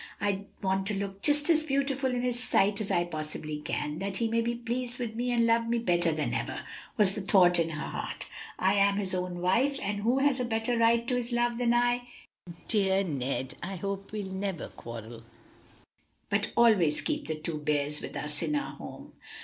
"I want to look just as beautiful in his sight as I possibly can, that he may be pleased with me and love me better than ever," was the thought in her heart. "I am his own wife, and who has a better right to his love than I? Dear Ned! I hope we'll never quarrel, but always keep the two bears with us in our home."